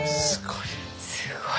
すごい。